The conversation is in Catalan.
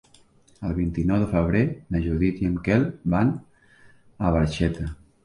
El vint-i-nou de febrer na Judit i en Quel van a Barxeta.